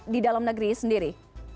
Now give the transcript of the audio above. di dalam negeri sendiri